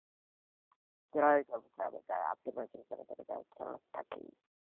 There is a significant Abazin presence in Turkey.